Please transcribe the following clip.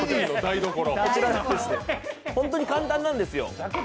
本当に簡単なんですよ。